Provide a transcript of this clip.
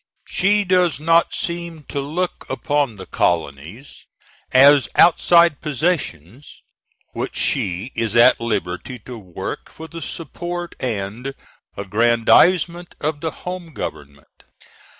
She does not seem to look upon the colonies as outside possessions which she is at liberty to work for the support and aggrandizement of the home government.